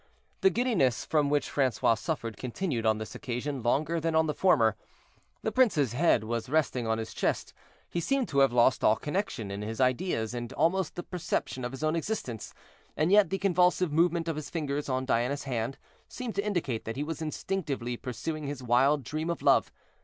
The giddiness from which Francois suffered continued on this occasion longer than on the former; the prince's head was resting on his chest. He seemed to have lost all connection in his ideas, and almost the perception of his own existence; and yet the convulsive movement of his fingers on Diana's hand seemed to indicate that he was instinctively pursuing his wild dream of love.